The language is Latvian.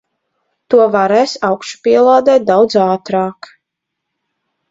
To varēs augšupielādēt daudz ātrāk.